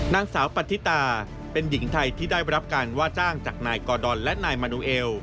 นางสาวปฏิตาเป็นหญิงไทยที่ได้รับการว่าจ้างจากนายกอดอนและนายมานูเอล